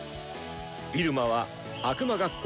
入間は悪魔学校